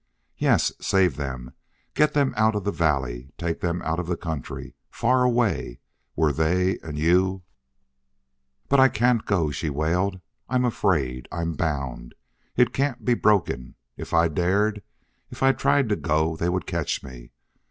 "Yes, save them. Get them out of the valley, take them out of the country, far away where they and YOU " "But I can't go," she wailed. "I'm afraid. I'm bound. It CAN'T be broken. If I dared if I tried to go they would catch me.